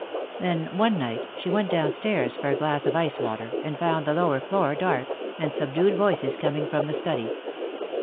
Then, one night, she went downstairs for a glass of ice water, and found the lower floor dark, and subdued voices coming from the study.